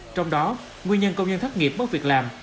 trong đó nguyên nhân công nhân thất nghiệp mất việc làm